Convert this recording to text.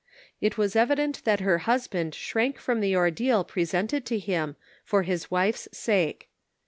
It was evident that her husband shrank from the ordeal presented to him, for his ^wife's sake.